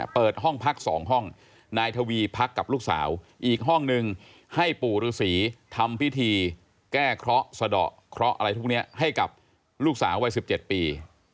เปิดห้องพัก๒ห้องนายทวีพักกับลูกสาวอีกห้องนึงให้ปู่ฤษีทำพิธีแก้เคราะห์สะดอกเคราะห์อะไรพวกนี้ให้กับลูกสาววัย๑๗ปี